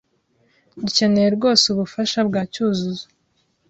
Dukeneye rwose ubufasha bwa Cyuzuzo.